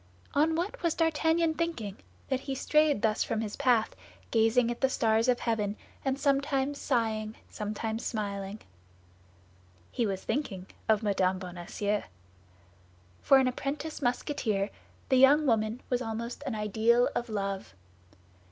On what was D'Artagnan thinking, that he strayed thus from his path, gazing at the stars of heaven, and sometimes sighing, sometimes smiling? He was thinking of Mme. Bonacieux. For an apprentice Musketeer the young woman was almost an ideal of love.